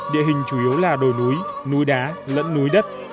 địa hình chủ yếu là đồi núi núi đá lẫn núi đất